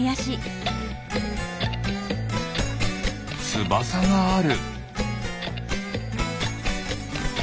つばさがある。